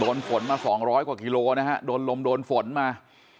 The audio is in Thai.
ฝนมา๒๐๐กว่ากิโลนะฮะโดนลมโดนฝนมา